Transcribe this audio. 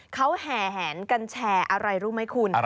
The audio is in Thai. เขาแห่แหนกันแชร์อะไรรู้ไหมคุณ